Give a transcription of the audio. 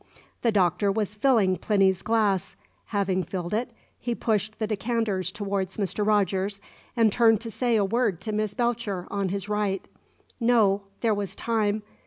The Doctor was filling Plinny's glass. Having filled it, he pushed the decanters towards Mr. Rogers, and turned to say a word to Miss Belcher, on his right. No; there was time.